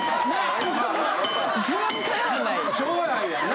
しょうがないやんな。